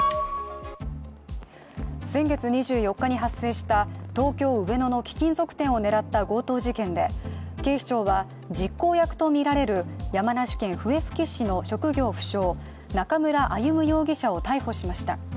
先月２４日に発生した東京・上野の貴金属店を狙った強盗事件で警視庁は実行役とみられる山梨県笛吹市の職業不詳、中村歩武容疑者を逮捕しました。